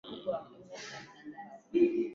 edith alikuwa abiria wa daraja la kwanza